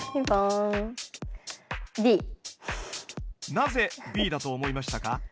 なぜＢだと思いましたか？